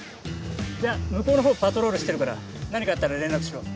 じゃ向こうのほうパトロールしてるから何かあったら連絡しろ。